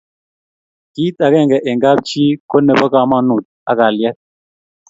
kit akenge eng' kap chi ko nebo kamangut ak kaliet